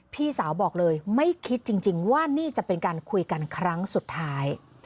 พี่สาวบอกเลยไม่คิดจริงว่านี่จะเป็นการคุยกันครั้งสุดท้าย